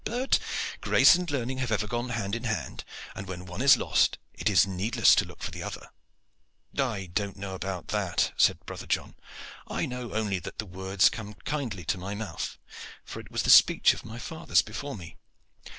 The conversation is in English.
But grace and learning have ever gone hand in hand, and when one is lost it is needless to look for the other." "I know not about that," said brother John. "I know only that the words come kindly to my mouth, for it was the speech of my fathers before me.